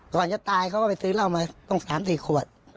ก่อนจะตายเขาก็ไปซื้อเหล้ามาต้อง๓๔ขวด